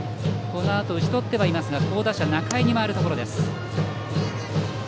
このあと打ち取ってはいますが好打者、仲井に回るところです。